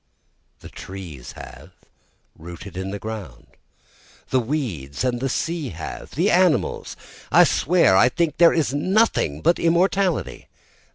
The trees have, rooted in the ground! the weeds of the sea have! the animals! I swear I think there is nothing but immortality!